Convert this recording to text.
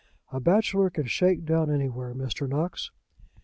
"A bachelor can shake down anywhere, Mr. Knox."